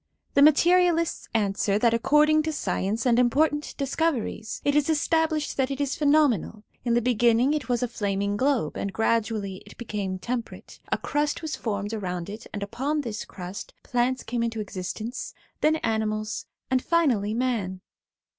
' The materialists answer, that according to science and important discoveries, it is established that it is pheno menal ; in the beginning it was a flartaing globe, and gradually it became temperate; a crust was formed around it, and upon this crust plants came into exist ence, then animals, and finally man.